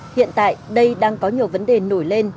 hiện tại đây đang có nhiều vấn đề nổi lên